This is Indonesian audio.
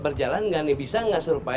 berjalan gak nih bisa gak